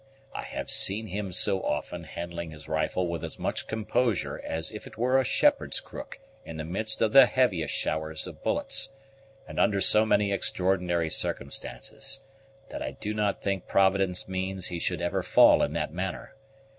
I have seen him so often handling his rifle with as much composure as if it were a shepherd's crook, in the midst of the heaviest showers of bullets, and under so many extraordinary circumstances, that I do not think Providence means he should ever fall in that manner.